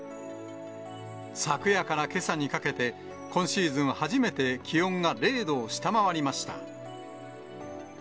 昨夜からけさにかけて、今シーズン初めて、気温が０度を下回りました。